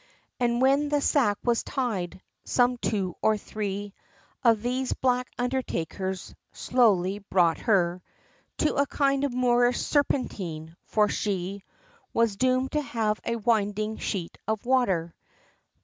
XIII. And when the sack was tied, some two or three Of these black undertakers slowly brought her To a kind of Moorish Serpentine; for she Was doom'd to have a winding sheet of water.